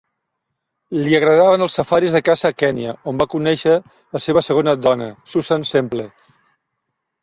Li agradaven els safaris de caça a Kènia, on va conèixer la seva segona dona, Susan Semple.